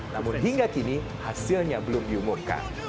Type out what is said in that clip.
namun hingga kini hasilnya belum diumurkan